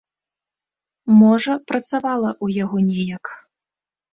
Можа, працавала ў яго неяк.